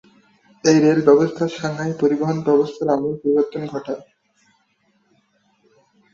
এই রেল ব্যবস্থা সাংহাই পরিবহন ব্যবস্থার আমূল পরিবর্তন ঘটায়।